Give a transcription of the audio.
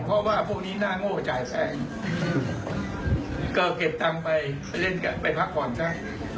เพราะว่าพวกนี้นางโง่จ่ายไปแล้วก็เก็บอย่างต่างไปมาเล่นการกับไว้ไปพักก่อนครับ